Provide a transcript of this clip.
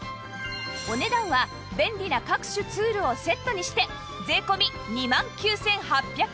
お値段は便利な各種ツールをセットにして税込２万９８００円